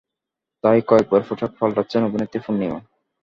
তাই কয়েকবার পোশাক পাল্টেছেন অভিনেত্রী পূর্ণিমা।